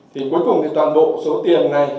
thì cuối cùng thì toàn bộ số tiền này